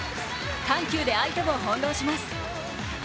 緩急で相手を翻弄します。